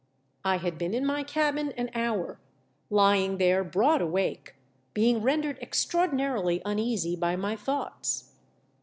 I had been in my cabin an hour, lying there broad awake, being rendered extraordinarily uneasy by my thoughts.